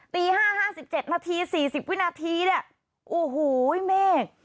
ตีห้าห้าสิบเจ็ดนาทีสี่สิบวินาทีเนี้ยโอ้โหเมฆ